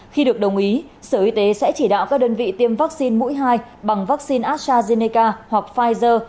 khi được đồng ý sở y tế sẽ chỉ đạo các đơn vị tiêm vaccine mũi hai bằng vaccine astrazeneca hoặc pfizer